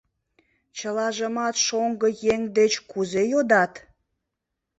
Чылажымат шоҥго еҥ деч кузе йодат?!